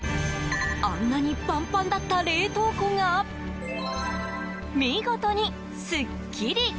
あんなにパンパンだった冷凍庫が見事にすっきり。